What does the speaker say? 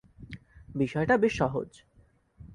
বিষয়টা বেশ সহজ।